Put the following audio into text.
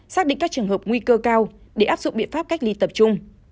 xác định các trường hợp nguy cơ cao để áp dụng biện pháp cách ly tập trung